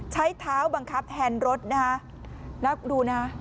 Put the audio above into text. ใช้เท้าบังคับแฮนรถนะฮะแล้วดูนะ